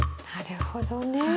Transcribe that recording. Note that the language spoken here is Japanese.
なるほどね。